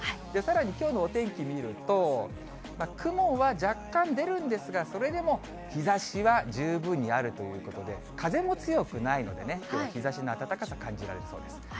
さらにきょうのお天気見ると、雲は若干出るんですが、それでも日ざしは十分にあるということで、風も強くないのでね、きょうは日ざしの暖かさ感じられそうです。